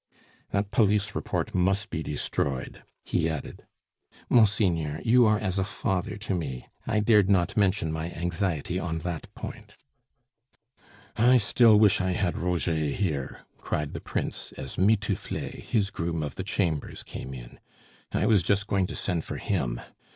"That police report must be destroyed," he added. "Monseigneur, you are as a father to me! I dared not mention my anxiety on that point." "I still wish I had Roger here," cried the Prince, as Mitouflet, his groom of the chambers, came in. "I was just going to send for him!